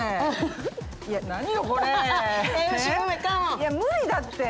いや無理だって。